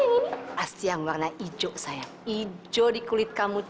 ya yang ini pasti yang warna hijau sayang hijau di kulit kamu